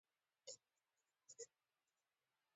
ګل د شین چاپېریال برخه ده.